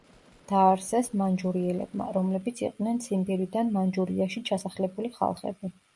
დააარსეს მანჯურიელებმა, რომლებიც იყვნენ ციმბირიდან მანჯურიაში ჩასახლებული ხალხები.